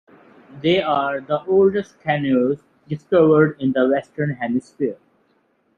They are the oldest canoes discovered in the Western Hemisphere.